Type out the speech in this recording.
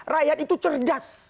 rakyat itu cerdas